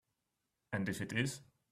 And if it is?